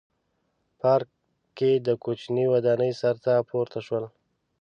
پارک کې د کوچنۍ ودانۍ سر ته پورته شولو.